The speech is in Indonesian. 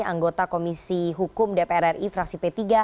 anggota komisi hukum dpr ri fraksi p tiga